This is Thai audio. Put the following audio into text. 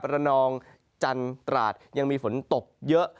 ระนองจันตราดยังมีฝนตกเยอะ